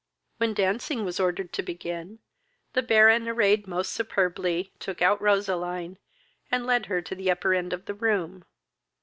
When dancing was ordered to begin, the Baron, arrayed most superbly, took out Roseline, and led her to the upper end of the room.